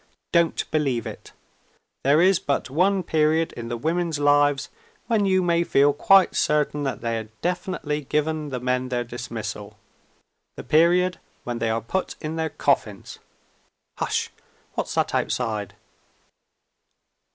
Don't believe it! There is but one period in the women's lives when you may feel quite certain that they have definitely given the men their dismissal the period when they are put in their coffins. Hush! What's that outside?